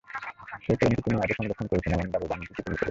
সেই কলমটি তিনি আজও সংরক্ষণ করছেন এমন দাবি বাণীটিতে তিনি করেছেন।